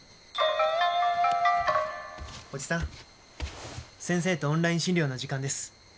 おじさん先生とオンライン診療の時間です。